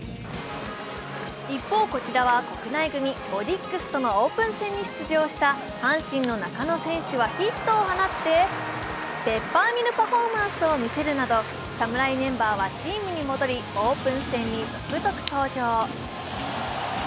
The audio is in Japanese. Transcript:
一方こちらは国内組、オリックスとのオープン戦に出場した阪神の中野選手はヒットを放ってペッパーミルパフォーマンスを見せるなど、侍メンバーはチームに戻り、オープン戦に続々登場。